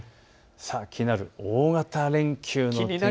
気になる大型連休の天気